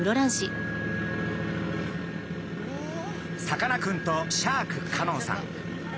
さかなクンとシャーク香音さん。